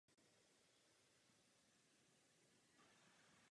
Na Moravě je jeho výskyt pravděpodobně již historií.